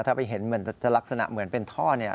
ถ้าไปเห็นเหมือนจะลักษณะเหมือนเป็นท่อเนี่ย